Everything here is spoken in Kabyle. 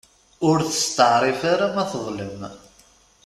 Ur testeεrif ara ma teḍlem.